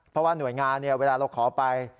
เพราะว่าหน่วยงานเวลาเราขอไป